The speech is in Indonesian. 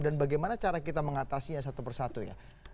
dan bagaimana cara kita mengatasinya satu persatu ya